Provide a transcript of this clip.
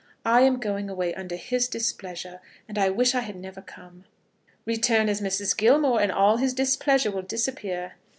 I am going away under his displeasure, and I wish I had never come." "Return as Mrs. Gilmore, and all his displeasure will disappear."